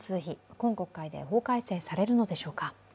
今国会で法改正されるのでしょうか。